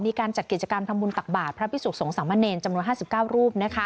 มีการจัดกิจการพรรมุนตักบาทพระพิสูขสงสรรมาเนทจำนวน๕๙รูป